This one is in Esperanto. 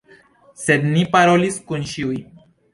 Sed ni parolis kun ĉiuj.